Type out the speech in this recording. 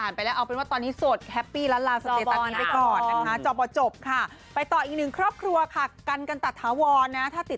อาจจะเป็นผมกับโต้งก็ได้